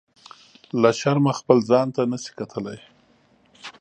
له شرمه خپل ځان ته نه شي کتلی.